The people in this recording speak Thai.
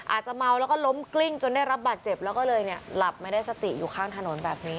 อาจจะเมาแล้วก็ล้มกลิ้งจนได้รับบาดเจ็บแล้วก็เลยเนี่ยหลับไม่ได้สติอยู่ข้างถนนแบบนี้